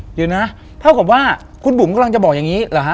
เดี๋ยวนะเท่ากับว่าคุณบุ๋มกำลังจะบอกอย่างนี้เหรอฮะ